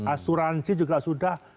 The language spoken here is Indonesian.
asuransi juga sudah